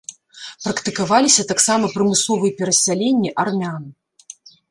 Практыкаваліся таксама прымусовыя перасяленні армян.